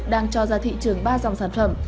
đang cho ra thị trường ba dòng sản phẩm